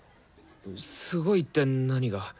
すごいって何が？